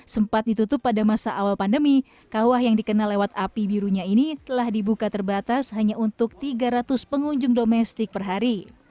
sempat ditutup pada masa awal pandemi kawah yang dikenal lewat api birunya ini telah dibuka terbatas hanya untuk tiga ratus pengunjung domestik per hari